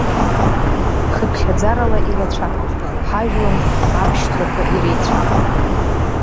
Хыԥхьаӡарала ирацәам, ҳажәлантә абшьҭрақәа иреицәам.